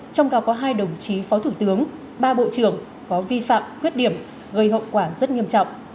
trong đó có hai đồng chí phó thủ tướng ba bộ trưởng có vi phạm khuyết điểm gây hậu quả rất nghiêm trọng